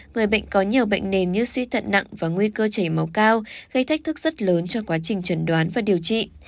người bệnh có nhiều bệnh nền như suy thận nặng và nguy cơ chảy máu cao gây thách thức rất lớn cho quá trình trần đoán và điều trị